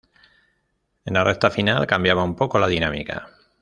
En la recta final cambiaba un poco la dinámica.